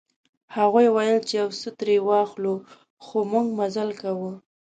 هغوی ویل چې یو څه ترې واخلو خو موږ مزل کاوه.